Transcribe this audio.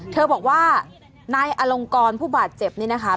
เธอบอกว่านายอลงกรผู้บาดเจ็บนี่นะคะ